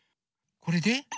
これで？